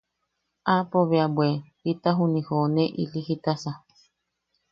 Aapo bea bwe jita juni joʼone ili jitasa.